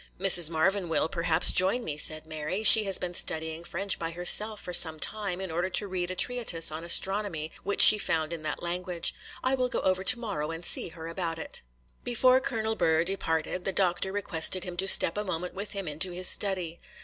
'Mrs. Marvyn will, perhaps, join me,' said Mary. 'She has been studying French by herself for some time, in order to read a treatise on astronomy, which she found in that language. I will go over to morrow and see her about it.' Before Colonel Burr departed, the doctor requested him to step a moment with him into his study.